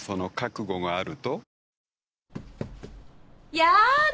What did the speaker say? やだ